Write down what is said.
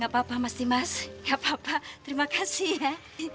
gak apa apa mas dimas gak apa apa terima kasih ya